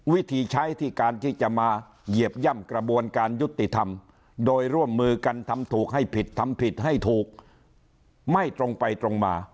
วิธีใช้ที่การที่จะมาเหยียบย่ำกระบวนการยุติธรรมโดยร่วมมือกันทำถูกให้ผิดทำผิดให้ถูกไม่ตรงไปตรงมา